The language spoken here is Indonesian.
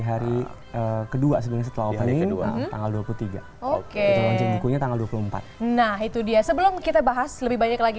hari kedua sebenarnya setelah opening tanggal dua puluh tiga oke bukunya tanggal dua puluh empat nah itu dia sebelum kita bahas lebih banyak lagi